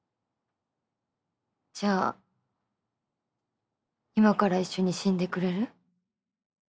じゃあ今から一緒に死んでくれる？